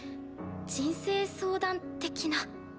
人生相談的な。